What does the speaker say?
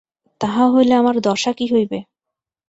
তাহা হইলে আমার দশা কী হইবে?